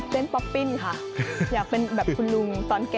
ป๊อปปิ้นค่ะอยากเป็นแบบคุณลุงตอนแก่